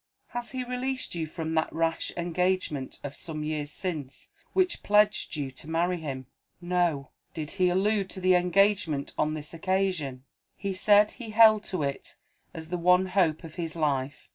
"Has he released you from that rash engagement, of some years since, which pledged you to marry him?" "No." "Did he allude to the engagement, on this occasion?" "He said he held to it as the one hope of his life."